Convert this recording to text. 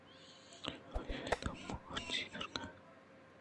آئی ءِ دپ ءَ ہرچی درکیت